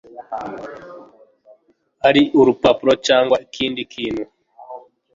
ari urupapuro cyangwa ikindi kintu